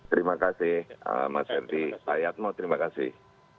terima kasih mas yanti pak yatmo terima kasih